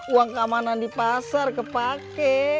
uang keamanan di pasar kepake